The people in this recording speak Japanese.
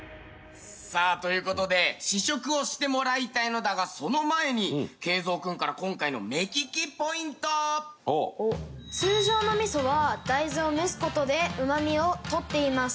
さあという事で試食をしてもらいたいのだがその前に通常の味噌は大豆を蒸す事でうまみを取っています。